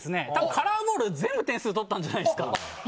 カラーボール、全部点数取ったんじゃないんですか。